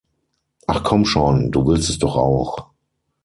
Ach komm schon, du willst es doch auch.